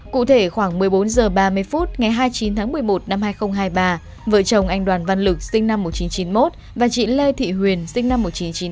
cụ thể khoảng một mươi bốn h ba mươi phút ngày hai mươi chín tháng một mươi một năm hai nghìn hai mươi ba vợ chồng anh đoàn văn lực sinh năm một nghìn chín trăm chín mươi một và chị lê thị huyền sinh năm một nghìn chín trăm chín mươi ba